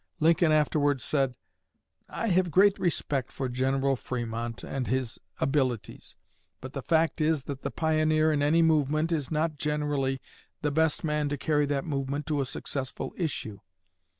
Lincoln afterwards said: "I have great respect for General Frémont and his abilities, but the fact is that the pioneer in any movement is not generally the best man to carry that movement to a successful issue.